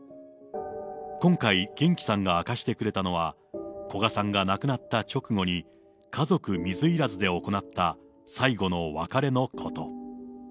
今回、げんきさんが明かしてくれたのは、古賀さんが亡くなった直後に、家族水入らずで行った最後の別れのこと。